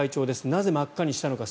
なぜ、真っ赤にしたのか。